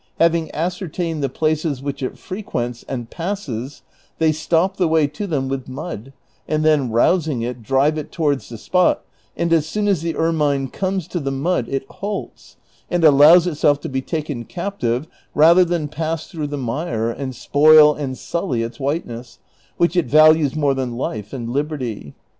Having ascertained the places which it frequents and passes, they stop the way to them with mud, and then rousing it, drive it towards the spot, and as soon as the ermine comes to the mud it halts, and allows itself to be taken captive rather than pass through the mire, and spoil and sully its whiteness, which it values more than life and liberty.